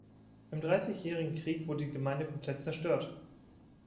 Im Dreißigjährigen Krieg wurde die Gemeinde komplett zerstört.